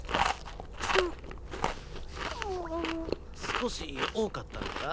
少し多かったのか？